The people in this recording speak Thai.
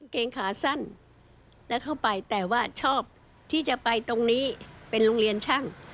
เกงขาสั้นแล้วเข้าไปแต่ว่าชอบที่จะไปตรงนี้เป็นโรงเรียนช่าง